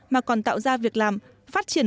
mà còn tạo ra việc làm phát triển